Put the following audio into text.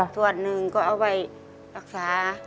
ส่วนหนึ่งก็เอาไปรักษา